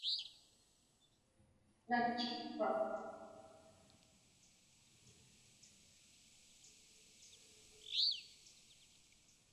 Natchiitpa?